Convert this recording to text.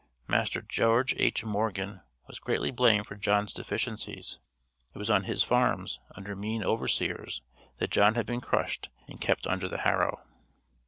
Master George H. Morgan was greatly blamed for John's deficiencies; it was on his farms, under mean overseers that John had been crushed and kept under the harrow.